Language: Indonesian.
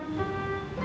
gue sama bapaknya